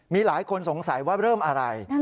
มีหลายคนสงสัยว่าเริ่มอะไร